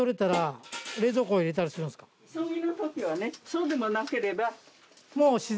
そうでもなければ。